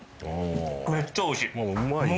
うまい？